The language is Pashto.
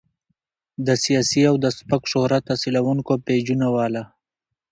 د سياسي او د سپک شهرت حاصلونکو پېجونو والا